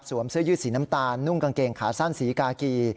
เสื้อยืดสีน้ำตาลนุ่งกางเกงขาสั้นสีกากี